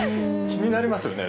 気になりますよね。